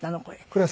これ。